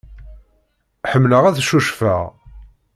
Ḥemmleɣ ad cucfeɣ.